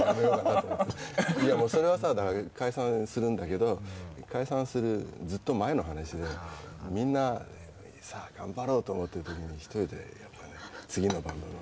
いやもうそれはさだから解散するんだけど解散するずっと前の話でみんな「さあ頑張ろう！」と思ってる時に一人で次のバンドの。